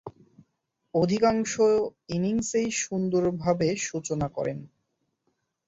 অধিকাংশ ইনিংসেই সুন্দরভাবে সূচনা করেন।